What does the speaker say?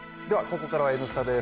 ここからは「Ｎスタ」です。